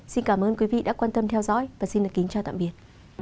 xin cảm ơn quý vị đã quan tâm theo dõi và xin được kính chào tạm biệt